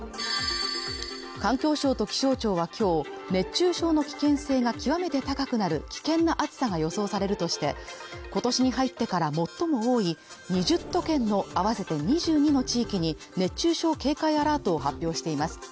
環境省と気象庁は今日熱中症の危険性が極めて高くなる危険な暑さが予想されるとして、今年に入ってから最も多い２０都県の合わせて２２の地域に熱中症警戒アラートを発表しています。